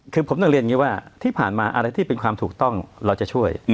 คือผมต้องเรียนอย่างนี้ว่าที่ผ่านมาอะไรที่เป็นความถูกต้องเราจะช่วย